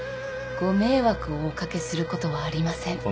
ご迷惑をお掛けすることはありません。